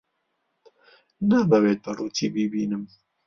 نامەوێت بە ڕووتی بیبینم.